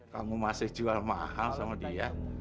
kamu masih jual mahal sama dia